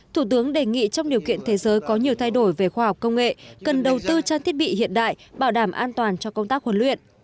thủ tướng đề nghị trong điều kiện thế giới có nhiều thay đổi về khoa học công nghệ cần đầu tư trang thiết bị hiện đại bảo đảm an toàn cho công tác huấn luyện